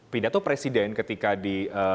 tidak tahu presiden ketika di